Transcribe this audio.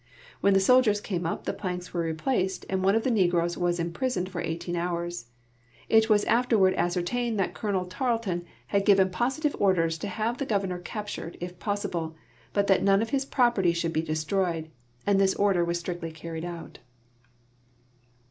When the sol diers came up, the ))lanks were replaced, and one of the negroes was im]>risoned for eighteen hours. It was afterward ascertained that Colonel Tarleton had given positive orders to have tlie gov ernor captured, if possible, but that none of his property should be destroyed, and this order was strictly carried out.